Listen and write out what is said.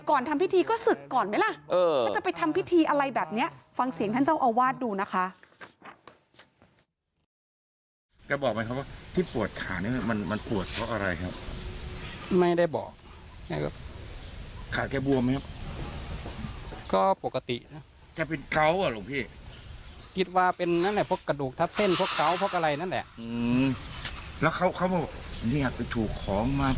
ทำพิธีก็ศึกก่อนไหมล่ะถ้าจะไปทำพิธีอะไรแบบนี้ฟังเสียงท่านเจ้าอาวาสดูนะคะ